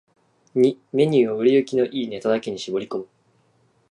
ⅱ メニューを売れ行きの良いネタだけに絞り込む